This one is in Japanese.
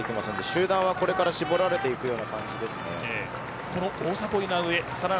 集団はこれから絞られていく感じです。